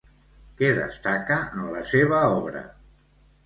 Què destaca en la seva obra?